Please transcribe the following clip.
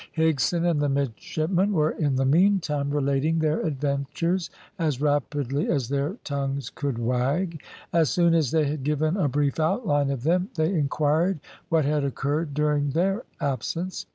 Higson and the midshipmen were in the meantime relating their adventures as rapidly as their tongues could wag; as soon as they had given a brief outline of them, they inquired what had occurred during their absence.